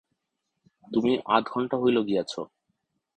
তুমি আধ ঘণ্টা হইল গিয়াছ।